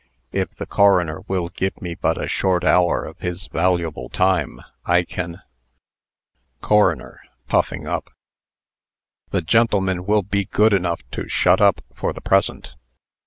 If the coroner will give me but a short hour of his valuable time, I can " CORONER (puffing up). "The gentleman will be good enough to shut up for the present.